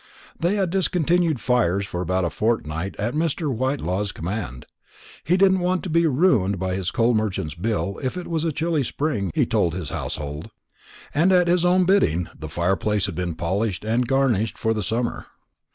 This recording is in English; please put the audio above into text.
They had discontinued fires for about a fortnight, at Mr. Whitelaw's command. He didn't want to be ruined by his coal merchant's bill if it was a chilly spring, he told his household; and at his own bidding the fire place had been polished and garnished for the summer.